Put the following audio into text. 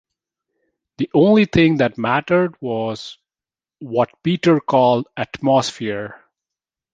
The only thing that mattered was what Peter called “atmosphere”.